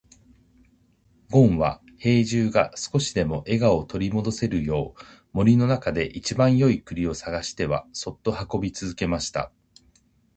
ごんは兵十が少しでも笑顔を取り戻せるよう、森の中で一番よい栗を探してはそっと運び続けました。